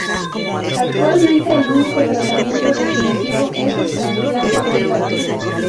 Actualmente el único tratamiento definitivo es el trasplante de hígado.